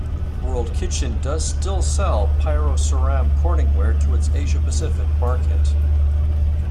World Kitchen does still sell Pyroceram Corning Ware to its Asia-Pacific market.